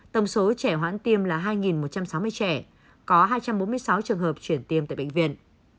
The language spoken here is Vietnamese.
tổng số trẻ hoãn tiêm là hai một trăm sáu mươi trẻ có hai trăm bốn mươi sáu trường hợp chuyển tiêm tại bệnh viện